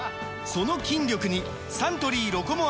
その筋力にサントリー「ロコモア」！